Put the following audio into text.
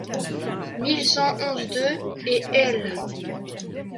mille cent onze-deux et L.